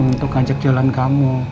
untuk ngajak jalan kamu